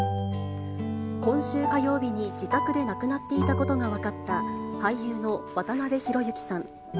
今週火曜日に自宅で亡くなっていたことが分かった、俳優の渡辺裕之さん。